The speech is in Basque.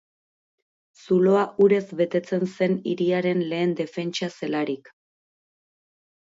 Zuloa urez betetzen zen hiriaren lehen defentsa zelarik.